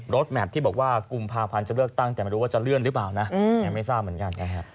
แมพที่บอกว่ากุมภาพันธ์จะเลือกตั้งแต่ไม่รู้ว่าจะเลื่อนหรือเปล่านะยังไม่ทราบเหมือนกัน